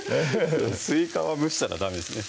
すいかは蒸したらダメですね